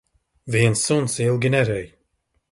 Viens suns ilgi nerej.